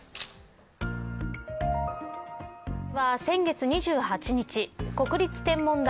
先月２８日国立天文台